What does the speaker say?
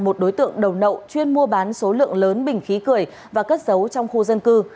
một đối tượng đầu nậu chuyên mua bán số lượng lớn bình khí cười và cất giấu trong khu dân cư